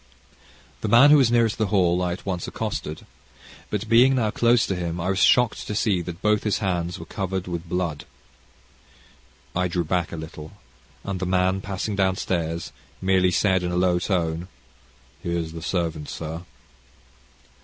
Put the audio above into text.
The man who was nearest the hall, I at once accosted, but being now close to him, I was shocked to see that both his hands were covered with blood. I drew back a little, and the man, passing downstairs, merely said in a low tone, "Here's the servant, sir."